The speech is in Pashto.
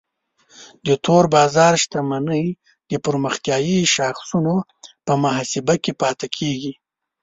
د تور بازار شتمنۍ د پرمختیایي شاخصونو په محاسبه کې پاتې کیږي.